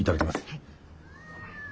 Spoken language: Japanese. はい。